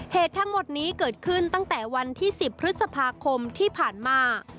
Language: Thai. เหตุทั้งหมดนี้เกิดขึ้นตั้งแต่วันที่๑๐พฤษภาคมที่ผ่านมา